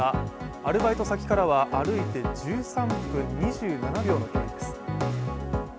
アルバイト先からは歩いて１３分２７秒かかりました。